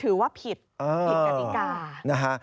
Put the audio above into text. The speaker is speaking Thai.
ถือว่าผิดกฎิกา